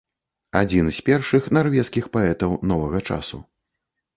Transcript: Адзін з першых нарвежскіх паэтаў новага часу.